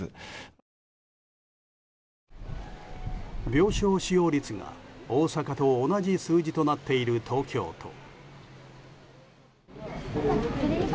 病床使用率が大阪と同じ数字となっている東京都。